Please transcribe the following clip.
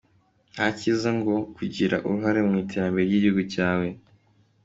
Nta cyiza nko kugira uruhare mu iterambere ry’igihugu cyawe.